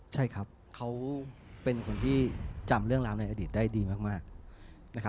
ใช่ครับเขาเป็นคนที่จำเรื่องราวในอดีตได้ดีมากนะครับ